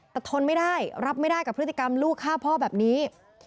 แต่ทนไม่ได้รับไม่ได้กับพฤติกรรมลูกฆ่าพ่อแบบนี้